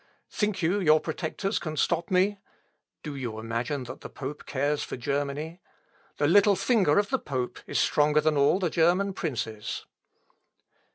Think you your protectors can stop me? Do you imagine that the pope cares for Germany? The little finger of the pope is stronger than all the German princes."